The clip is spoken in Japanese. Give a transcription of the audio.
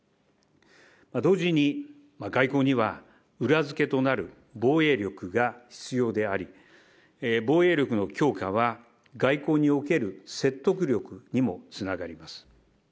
同時に、外交には裏付けとなる防衛力が必要であり、防衛力の強化は外交における説得力にもつながります。